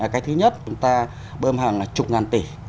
cái thứ nhất chúng ta bơm hàng là một mươi tỷ